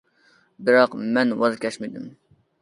بىراق مەن ۋاز كەچمىدىم.